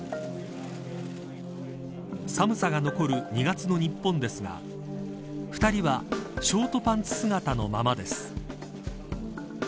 寒さが残る、２月の日本ですが２人はショートパンツ姿のままです。